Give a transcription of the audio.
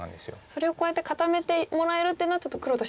それをこうやって固めてもらえるっていうのはちょっと黒としては。